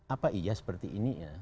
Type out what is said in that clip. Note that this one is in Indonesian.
apa iya seperti ini ya